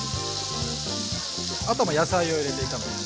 あとは野菜を入れて炒めましょう。